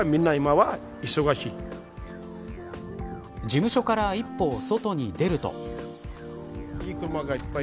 事務所から一歩外に出ると。